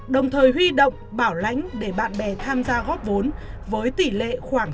đồng thời huy động bảo lãnh để bạn bè tham gia góp vốn với tỷ lệ khoảng sáu mươi